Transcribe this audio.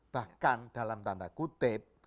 bahkan dalam tanda kutip